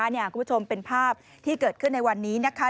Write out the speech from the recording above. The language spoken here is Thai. คุณผู้ชมเป็นภาพที่เกิดขึ้นในวันนี้นะคะ